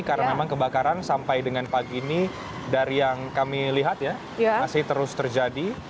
karena memang kebakaran sampai dengan pagi ini dari yang kami lihat ya masih terus terjadi